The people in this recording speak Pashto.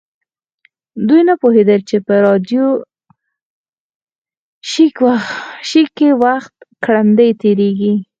دوی نه پوهیدل چې په راډیو شیک کې وخت ګړندی تیریږي